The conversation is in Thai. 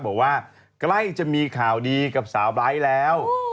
บอกว่าใกล้จะมีข่าวดีกับสาวไบร์ทแล้ว